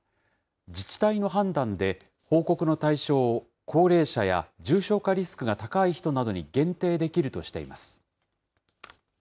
自治体の判断で報告の対象を高齢者や重症化リスクが高い人などに限定できるとしています。